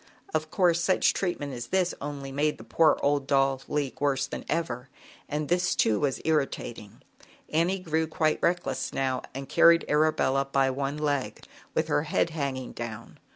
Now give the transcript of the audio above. Of course, such treatment as this only made the poor old doll leak worse than ever, and this, too, was irritating. Annie grew quite reckless now, and carried Arabella by one leg, with her head hanging down.